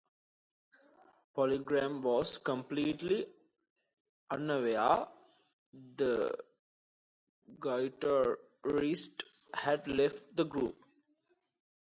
PolyGram was completely unaware the guitarist had left the group.